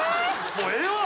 もうええわ！